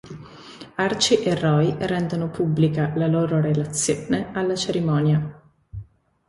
Archie e Roy rendono pubblica la loro relazione alla cerimonia.